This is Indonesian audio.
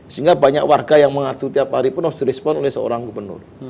sehingga banyak warga yang mengatu tiap hari pun harus di respon oleh seorang gubernur